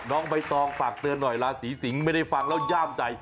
น้องใบตองฝากเตือนหน่อยราศีสิงศ์ไม่ได้ฟังแล้วย่ามใจ